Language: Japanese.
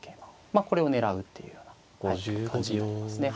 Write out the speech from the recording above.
まあこれを狙うっていうような感じになりますね。